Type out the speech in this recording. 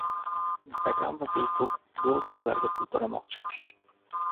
Instagram va Facebook blogerlarga pul to‘lamoqchi